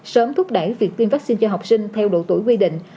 sớm thúc đẩy việc tiêm vaccine cho học sinh theo độ tuổi quy định